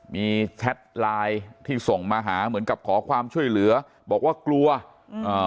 มีแชทไลน์ที่ส่งมาหาเหมือนกับขอความช่วยเหลือบอกว่ากลัวอ่า